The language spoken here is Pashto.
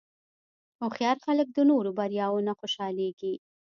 هوښیار خلک د نورو بریاوو نه خوشحالېږي.